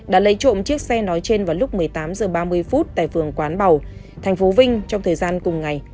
đã lấy trộm chiếc xe nói trên vào lúc một mươi tám h ba mươi tại phường quán bảo thành phố vinh trong thời gian cùng ngày